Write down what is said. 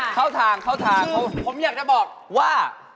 เข้าทางผมอยากจะบอกว่า